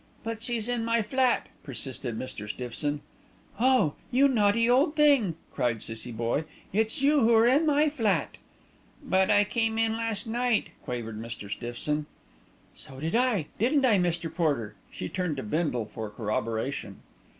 "But she's in my flat," persisted Mr. Stiffson. "Oh! you naughty old thing!" cried Cissie Boye. "It's you who are in my flat." "But I came in last night," quavered Mr. Stiffson. "So did I didn't I, Mr. Porter?" She turned to Bindle for corroboration.